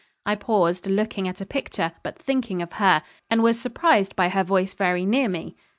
I paused, looking at a picture, but thinking of her, and was surprised by her voice very near me.